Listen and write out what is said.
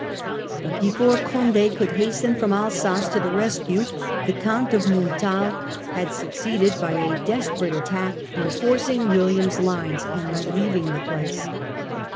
But before Condd could hasten from Alsace to the rescue, the Count of Montal had succeeded by a desperate attack in forcing William's lines and relieving the place.